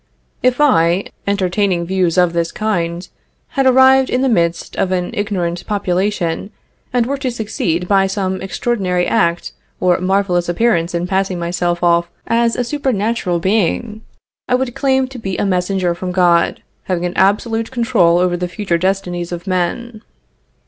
If I, entertaining views of this kind, had arrived in the midst of an ignorant population, and were to succeed by some extraordinary act or marvelous appearance in passing myself off as a supernatural being, I would claim to be a messenger from God, having an absolute control over the future destinies of men.